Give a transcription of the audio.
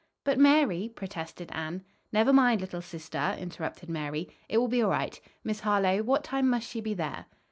"But, Mary " protested Anne. "Never mind, little sister," interrupted Mary, "it will be all right. Miss Harlowe, what time must she be there?"